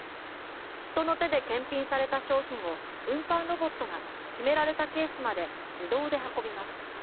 人の手で検品された商品を運搬ロボットが決められたケースまで自動で運びます。